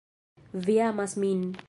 Vi amas min